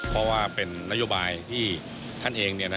เพราะว่าเป็นนโยบายที่ท่านเอง